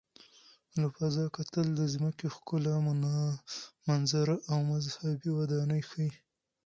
له فضا کتل د ځمکې ښکلي منظره او مذهبي ودانۍ ښيي.